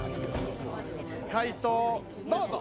解答どうぞ！